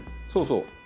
そうそう。